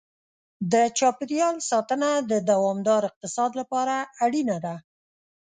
د چاپېریال ساتنه د دوامدار اقتصاد لپاره اړینه ده.